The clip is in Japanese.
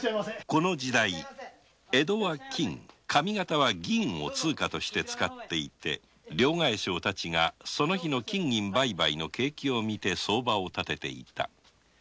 この時代江戸は金上方は銀を通貨として使っていて両替商たちが金銀売買の景気を見て相場を立てた。